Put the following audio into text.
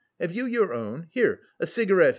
have you your own? Here, a cigarette!"